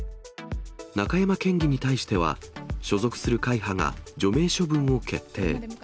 中山県議に対しては、所属する会派が除名処分を決定。